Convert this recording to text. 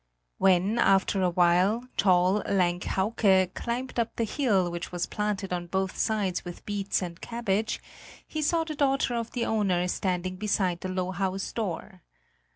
When, after a while, tall, lank Hauke climbed up the hill which was planted on both sides with beets and cabbage, he saw the daughter of the owner standing beside the low house door.